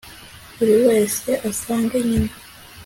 buri wese asange nyina